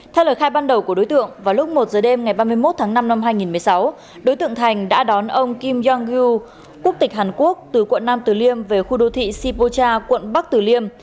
theo lời khai ban đầu của đối tượng vào lúc một giờ đêm ngày ba mươi một tháng năm năm hai nghìn một mươi sáu đối tượng thành đã đón ông kim jong il quốc tịch hàn quốc từ quận năm từ liêm về khu đô thị sipocha quận bắc từ liêm